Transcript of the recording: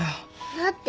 だって。